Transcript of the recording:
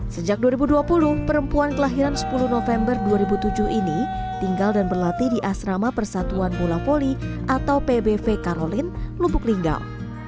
sejak dua ribu dua puluh perempuan kelahiran sepuluh november dua ribu tujuh ini tinggal dan berlatih di asrama persatuan bola poli atau pbv karolin lubuk linggau